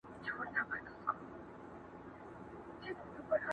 ليکوال پوښتنه کوي چي دا درد د شعارونو په وسيله حل کيدای سي،